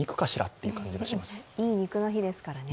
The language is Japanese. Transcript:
いい肉の日ですからね。